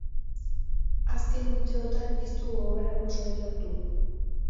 Azken urteotan ez dugu aurrerapausurik lortu.